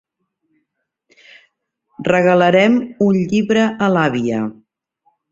Regalarem un llibre a l'àvia.